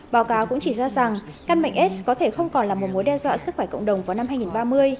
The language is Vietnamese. báo cáo cũng chỉ ra rằng căn mệnh s có thể không còn là một mối đe dọa sức khỏe cộng đồng vào năm hai nghìn ba mươi